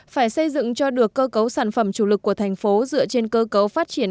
phải xây dựng cho được cơ cấu sản phẩm chủ lực của thành phố dựa trên cơ cấu phát triển